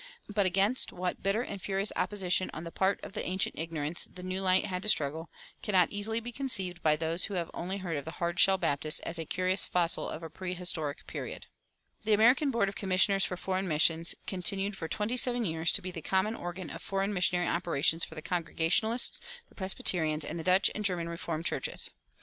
But against what bitter and furious opposition on the part of the ancient ignorance the new light had to struggle cannot easily be conceived by those who have only heard of the "Hard Shell Baptist" as a curious fossil of a prehistoric period.[255:1] The American Board of Commissioners for Foreign Missions continued for twenty seven years to be the common organ of foreign missionary operations for the Congregationalists, the Presbyterians, and the Dutch and German Reformed churches.